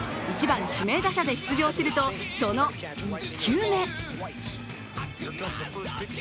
１番・指名打者で出場すると、その１球目。